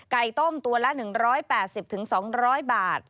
ต้มตัวละ๑๘๐๒๐๐บาท